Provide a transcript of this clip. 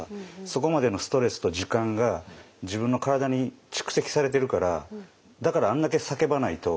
そこまでのストレスと時間が自分の体に蓄積されてるからだからあんだけ叫ばないと。